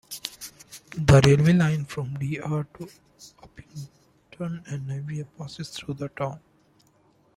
The railway line from De Aar to Upington and Namibia passes though the town.